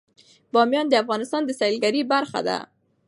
بامیان د افغانستان د سیلګرۍ برخه ده.